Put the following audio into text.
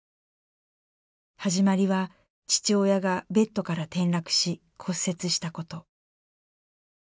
始まりは父親がベッドから転落し骨折したこと。